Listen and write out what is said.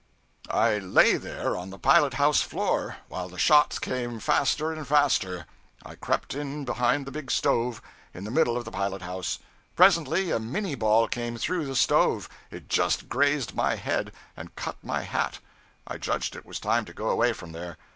I lay there on the pilot house floor, while the shots came faster and faster. I crept in behind the big stove, in the middle of the pilot house. Presently a minie ball came through the stove, and just grazed my head, and cut my hat. I judged it was time to go away from there.